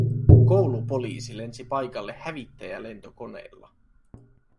Koulupoliisi lensi paikalle hävittäjälentokoneella